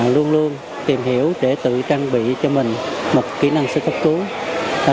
luôn luôn tìm hiểu để tự trang bị cho mình một kỹ năng sơ cấp cứu